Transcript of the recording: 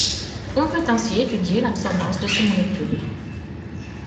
On peut ainsi étudier l’absorbance de ces molécules.